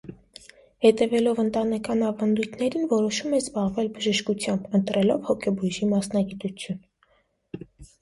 Հետևելով ընտանեկան ավանդույթներին, որոշում է զբաղվել բժշկությամբ՝ ընտրելով հոգեբույժի մասնագիտություն։